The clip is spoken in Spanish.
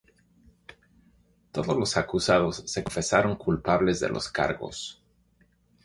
Todos los acusados se confesaron culpables de los cargos.